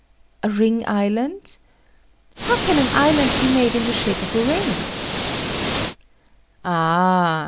A ring island? How can an island be made in the shape of a ring? Ah!